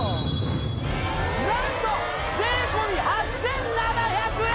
何と税込８７００円！